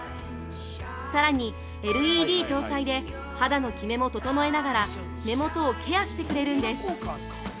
さらに、ＬＥＤ搭載で肌のきめも整えながら目元をケアしてくれるんです。